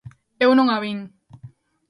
Eu non a vin.